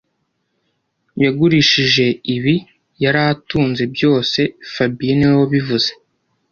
Yagurishije ibi yari atunze byose fabien niwe wabivuze